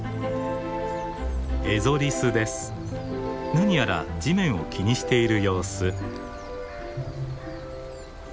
何やら地面を気にしている様子。